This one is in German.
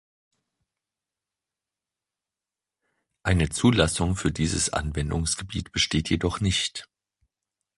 Eine Zulassung für dieses Anwendungsgebiet besteht jedoch nicht.